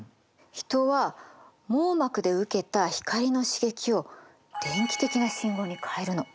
人は網膜で受けた光の刺激を電気的な信号に変えるの。